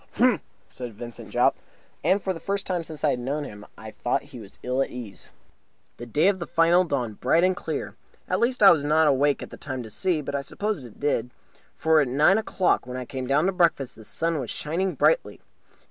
"H'm!" said Vincent Jopp. And for the first time since I had known him I thought that he was ill at ease. The day of the final dawned bright and clear. At least, I was not awake at the time to see, but I suppose it did; for at nine o'clock, when I came down to breakfast, the sun was shining brightly.